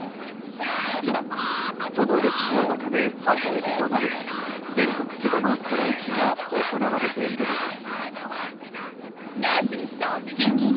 今、その歴史の中で初めてとなる全国規模のストライキが行われているのです。